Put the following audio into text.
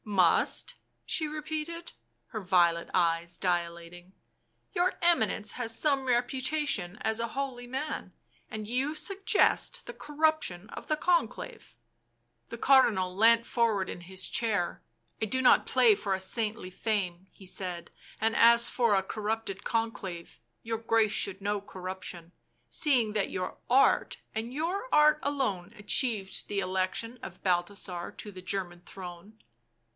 "Must?" she repeated, her violet eyes dilating. " Your Eminence has some reputation as a holy man — and you suggest the corruption of the Conclave !" The Cardinal leant forward in his chair. " I do not play for a saintly fame," he said, " and as for a cor rupted Conclave — your Grace should know corruption, seeing that your art, and your art alone, achieved the election of Balthasar to the German throne."